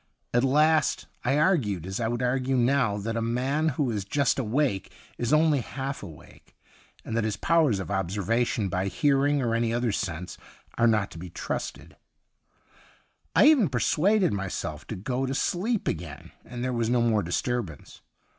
At last I argued as I would argue now that a man who is just awake is 142 THE UNDYING THING only half awake, and that his powers of observation, by hearing or any other sense, are not to be trusted. I even pei'suaded myself to go to sleep again, and there was no more disturbance.